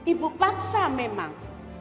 ibu paksa memang